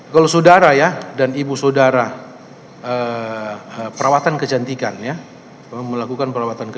kalau saudara ya dan ibu saudara perawatan kecantikan ya melakukan perawatan kesehatan